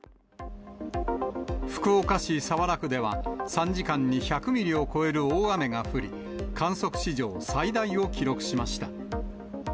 福岡市早良区では、３時間に１００ミリを超える大雨が降り、観測史上最大を記録しました。